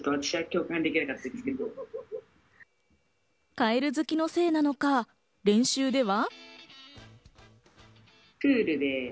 カエル好きのせいなのか練習では。